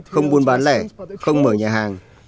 không buôn bán lẻ không mở nhà hàng